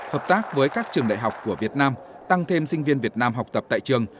hợp tác với các trường đại học của việt nam tăng thêm sinh viên việt nam học tập tại trường